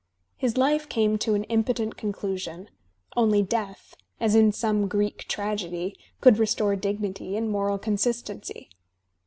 His life came to an impotent conclusion; only death, as in some Greek tragedy, could restore dignity and moral consistency.